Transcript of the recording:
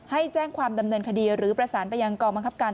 แจ้งความดำเนินคดีหรือประสานไปยังกองบังคับการ